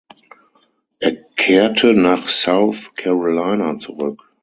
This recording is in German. Er kehrte nach South Carolina zurück.